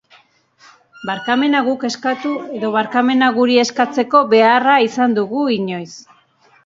Barkamena guk eskatu edo barkamena guri eskatzeko beharra izan dugu inoiz.